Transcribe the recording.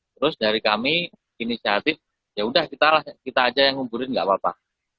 terus dari kami inisiatif ya udah kita aja yang nguburin gak apa apa